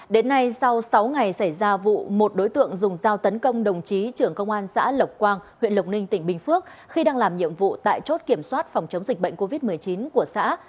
đến nay sau sáu ngày xảy ra vụ một đối tượng dùng dao tấn công đồng chí trưởng công an xã lộc quang huyện lộc ninh tỉnh bình phước khi đang làm nhiệm vụ tại chốt kiểm soát phòng chống dịch bệnh covid một mươi chín của xã